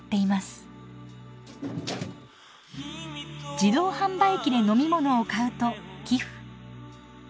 自動販売機で飲み物を買うと寄付。